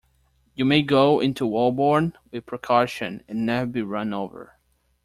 You may go into Holborn, with precaution, and never be run over.